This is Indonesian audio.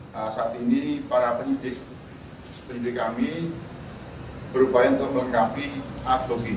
saat ini para penyidik kami berupaya untuk mengganti aslogi